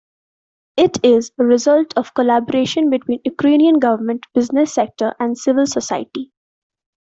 It is a result of collaboration between Ukrainian government, business sector, and civil society.